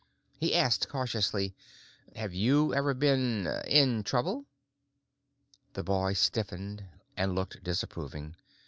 He asked cautiously: "Have you ever been—in trouble?" The boy stiffened and looked disapproving.